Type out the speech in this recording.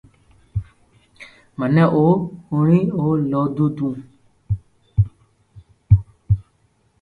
مي او ھوري رو لودو تو